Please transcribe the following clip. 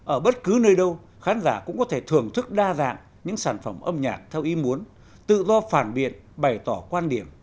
ở bất cứ nơi đâu khán giả cũng có thể thưởng thức đa dạng những sản phẩm âm nhạc theo ý muốn tự do phản biện bày tỏ quan điểm